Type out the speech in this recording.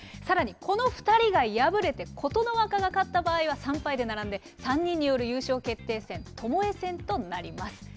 さらに、この２人が敗れて、琴ノ若が勝った場合は、３敗で並んで、３人による優勝決定戦、ともえ戦となります。